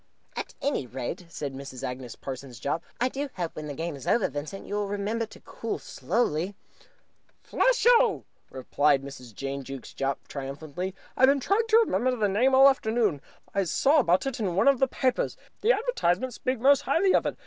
"At any rate," said Mrs. Agnes Parsons Jopp, "I do hope, when the game is over, Vincent, that you will remember to cool slowly." "Flesho!" cried Mrs. Jane Jukes Jopp triumphantly. "I've been trying to remember the name all the afternoon. I saw about it in one of the papers. The advertisements speak most highly of it.